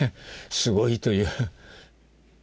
「すごい！」という。